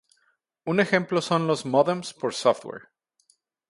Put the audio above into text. Un ejemplo son los módems por software.